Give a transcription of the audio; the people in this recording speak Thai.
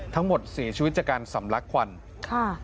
ทั้งหมดเสียชีวิตจากการสำลักควันค่ะ